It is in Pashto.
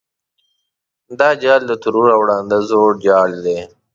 دا جال د ترور او ړانده زوړ جال دی.